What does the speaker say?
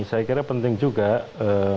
saya kira penting juga mbak diabita tengah